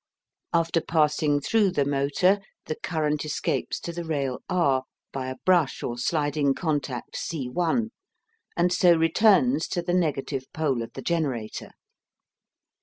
After passing through the motor the current escapes to the rail R by a brush or sliding contact C', and so returns to the negative pole of the generator.